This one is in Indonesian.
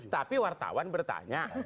tapi wartawan bertanya